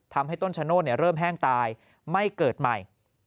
ทำให้ต้นชะโนธเริ่มแห้งตายไม่เกิดใหม่